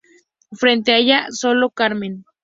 Frente a ella sólo Carmen.